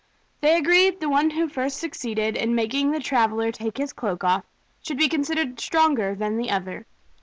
They agreed that the one who first succeeded in making the traveler take his cloak off should be considered stronger than the other.